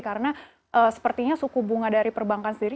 karena sepertinya suku bunga dari perbankan sendiri